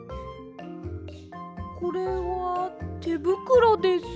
これはてぶくろです。